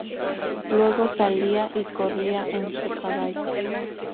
Luego salía y corría en su caballo.